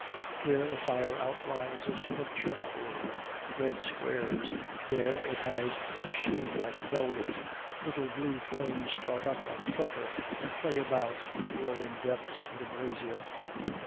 Here, the fire outlines a sort of chessboard in red squares, there it has a sheen like velvet; little blue flames start up and flicker and play about in the glowing depths of the brasier.